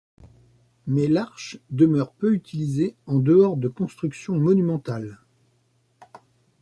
Mais l'arche demeure peu utilisée en-dehors de constructions monumentales.